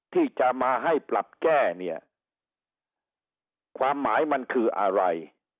ที่จะมาให้ปรับแก้เนี่ยความหมายมันคืออะไร